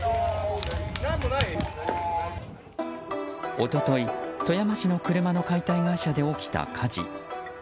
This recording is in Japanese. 一昨日、富山市の車の解体会社で起きた火事。